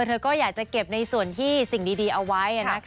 เธอก็อยากจะเก็บในส่วนที่สิ่งดีเอาไว้